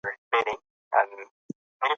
ټولو مېلمنو په ګډه وخندل.